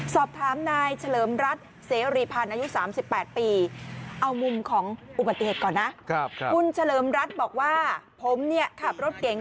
สอบถามนายเฉลิมรัฐเสรีพันธ์อายุ๓๘ปีเอามุมของอุบัติเหตุก่อนนะคุณเฉลิมรัฐบอกว่าผมเนี่ยขับรถเก๋ง